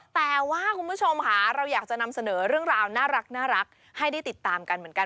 แต่ว่าคุณผู้ชมค่ะเราอยากจะนำเสนอเรื่องราวน่ารักให้ได้ติดตามกันเหมือนกัน